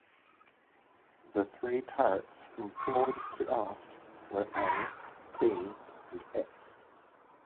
The three turrets from forward to aft were "A", "B" and "X".